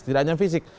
tidak hanya fisik